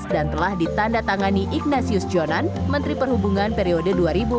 dan telah ditanda tangani ignasius jonan menteri perhubungan periode dua ribu empat belas dua ribu enam belas